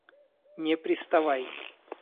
Не приставай!